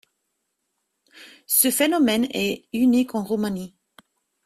Ce phénomène est unique en Roumanie.